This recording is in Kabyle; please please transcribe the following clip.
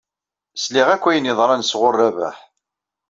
Sliɣ akk ayen yeḍran sɣur Rabaḥ.